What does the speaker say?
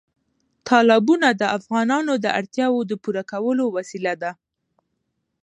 تالابونه د افغانانو د اړتیاوو د پوره کولو وسیله ده.